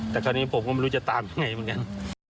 แต่คราวนี้ผมก็ไม่รู้จะตามยังไงเหมือนกัน